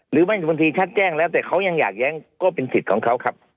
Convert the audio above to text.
บางทีชัดแจ้งแล้วแต่เขายังอยากแย้งก็เป็นสิทธิ์ของเขาครับ